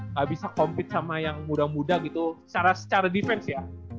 sampai kempit sama yang muda muda gitu secara defense ya